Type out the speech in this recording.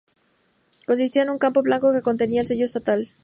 Consistía en un campo blanco que contenía el sello estatal.